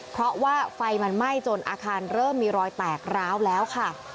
เพราะว่าไฟมันไหม้จนอาคารเริ่มมีรอยแตกร้าวแล้วค่ะ